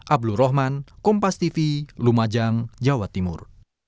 ablu rohman kompas tv lungmajang jawa timur